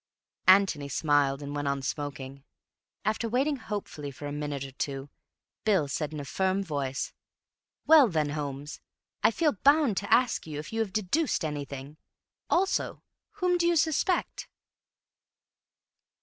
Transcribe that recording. Antony smiled and went on smoking. After waiting hopefully for a minute or two, Bill said in a firm voice: "Well then, Holmes, I feel bound to ask you if you have deduced anything. Also whom do you suspect?"